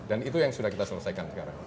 dan itu yang sudah kita selesaikan sekarang